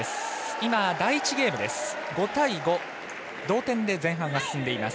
今、第１ゲームです。